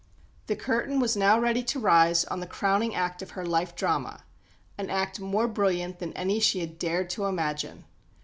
The curtain was now ready to rise on the crowning act of her life drama, an act more brilliant than any she had dared to imagine.